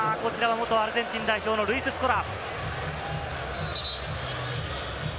元アルゼンチン代表のルイス・スコラ。